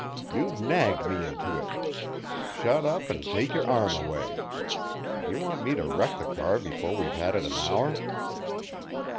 "You've nagged me into it. Shut up and take your arm away. Do you want me to wreck the car before we've had it an hour?"